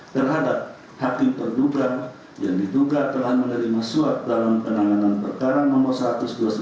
dan kemudian mengatakan bahwa perubahan tersebut adalah keadaan yang tidak terkait dengan keadaan hakim terduga